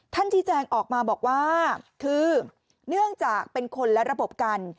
ชี้แจงออกมาบอกว่าคือเนื่องจากเป็นคนละระบบกัน